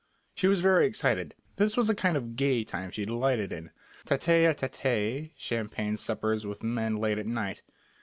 She was very excited. This was the kind of "gay" time she delighted in, tête à tête champagne suppers with men late at night.